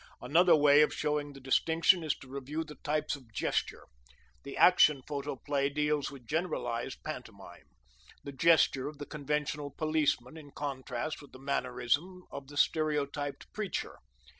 Another way of showing the distinction is to review the types of gesture. The Action Photoplay deals with generalized pantomime: the gesture of the conventional policeman in contrast with the mannerism of the stereotyped preacher.